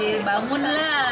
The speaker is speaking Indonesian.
ya ini guru dibangun lah